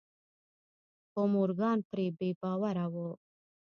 خو مورګان پرې بې باوره و.